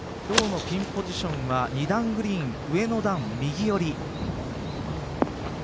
今日のピンポジションは２段グリーン上の段右寄り。